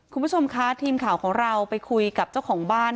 คุณผู้ชมคะทีมข่าวของเราไปคุยกับเจ้าของบ้าน